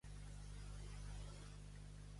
Roí present deshonra son amo.